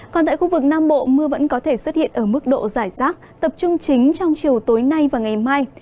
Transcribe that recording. còn tại khu vực nam bộ mưa vẫn có thể xuất hiện ở mức độ giải rác tập trung chính trong chiều tối nay và ngày mai